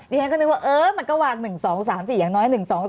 แบบแมงก็นึกว่ามันวาง๑๒๓๔อย่างน้อย